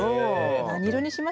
何色にします？